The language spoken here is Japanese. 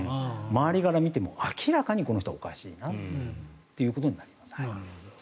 周りから見ても明らかにこの人はおかしいなとなります。